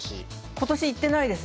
今年、行っていないです。